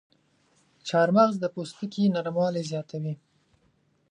چارمغز د پوستکي نرموالی زیاتوي.